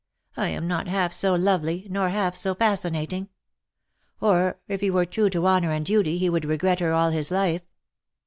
I am not half so lovely, nor half so fascinating. Or, if he w^ere true to honour and duty, he would regret her all his life.